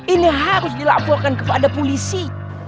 ini harus dilaporkan kepada polisi